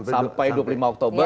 sampai dua puluh lima oktober